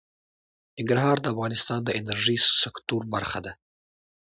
ننګرهار د افغانستان د انرژۍ سکتور برخه ده.